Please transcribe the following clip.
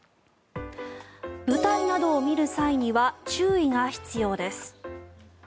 舞台などを見る際には注意が必要です。